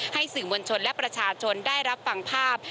สื่อมวลชนและประชาชนได้รับฟังภาพ